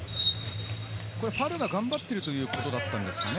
ファルが頑張っているということだったんですかね。